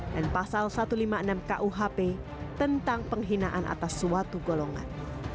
dan pasal satu ratus lima puluh enam kuhp tentang penghinaan atas suatu golongan